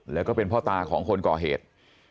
แล้วก็เป็นพ่อตาของคนก่อเหตุ